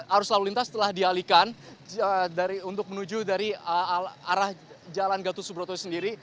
arus lalu lintas telah dialihkan untuk menuju dari arah jalan gatus subroto sendiri